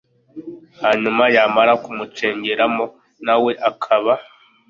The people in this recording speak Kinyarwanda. hanyuma yamara kumucengeramo na we akaba